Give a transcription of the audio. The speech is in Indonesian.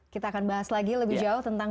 kita akan bahas lagi lebih jauh tentang